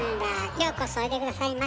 ようこそおいで下さいました。